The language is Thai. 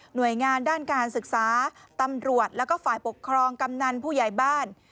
โดยงานด้านการศึกษาตำรวจแล้วก็ฝ่ายปกครองกำนันผู้ใหญ่บ้าน